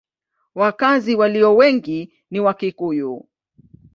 Wakazi walio wengi ni Wakikuyu.